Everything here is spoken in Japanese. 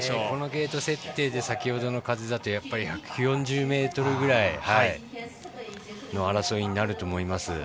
このゲート設定で先ほどの風だと１４０ｍぐらいの争いになると思います。